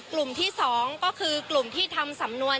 กลุ่มที่๒ก็คือกลุ่มที่ทำสำนวน